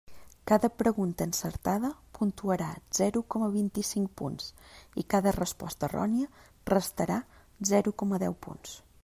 Cada pregunta encertada puntuarà zero coma vint-i-cinc punts i cada resposta errònia restarà zero coma deu punts.